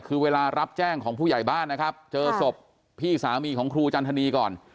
คือเวลารับแจ้งของผู้ใหญ่บ้านนะครับเจอศพพี่สามีของครูจันทนีก่อน